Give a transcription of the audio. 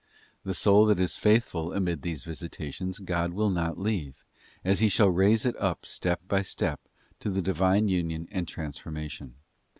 '* The soul that is faithful amid these visitations God will not leave, till He shall raise it upsstep by step, to the Divine union and transforma tion.